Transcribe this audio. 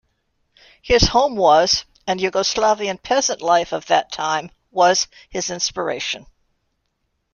His home was and Yugoslavian peasant life of that time was his inspiration.